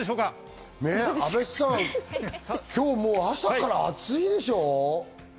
阿部さん、今日は朝から暑いでしょ？